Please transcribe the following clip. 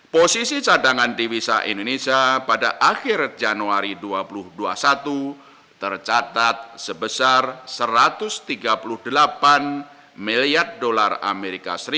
posisi cadangan diwisa indonesia pada akhir januari dua ribu dua puluh satu tercatat sebesar rp satu ratus tiga puluh delapan miliar dolar as